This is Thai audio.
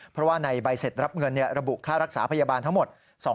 เพราะว่าในใบเสร็จรับเงินระบุค่ารักษาพยาบาลทั้งหมด